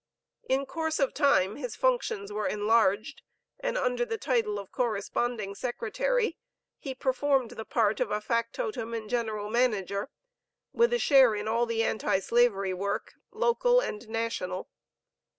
In course of time his functions were enlarged, and under the title of Corresponding Secretary, he performed the part of a factotum and general manager, with a share in all the anti slavery work, local and national.